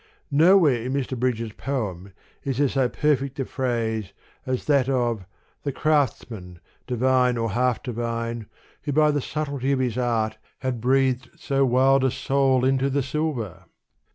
Nowhere in Mr. Bridges' poem is there so perfect a phrase, as that of " the craftsman, divine or half divine, who by the subtlety of his art had breathed so wild a soul into the silver